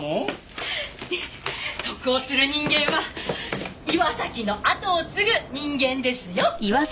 で得をする人間は岩崎の跡を継ぐ人間ですよ。